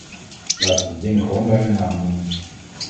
Laten we de dingen gewoon bij hun naam noemen.